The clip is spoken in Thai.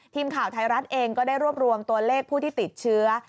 ทีมข่าวไทยรัฐเองก็ได้รวบรวมตัวเลขผู้ที่ติดเชื้อ